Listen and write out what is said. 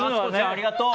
ありがとう。